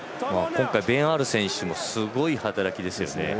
今回ベン・アール選手もすごい働きですよね。